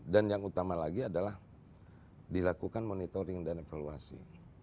dan yang utama lagi adalah dilakukan monitoring dan evaluasi